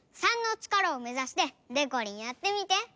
３の力をめざしてでこりんやってみて。